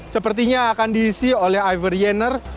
sepertinya akan diisi oleh iver yenner